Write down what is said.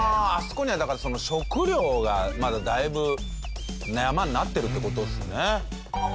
ああそこにはだから食料がまだだいぶ山になってるって事ですね。